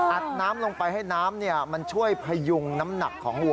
น้ำลงไปให้น้ำมันช่วยพยุงน้ำหนักของวัว